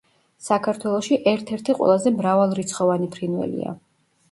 საქართველოში ერთ-ერთი ყველაზე მრავალრიცხოვანი ფრინველია.